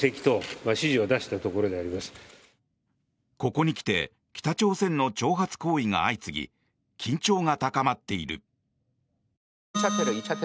ここに来て北朝鮮の挑発行為が相次ぎ緊張が高まっている。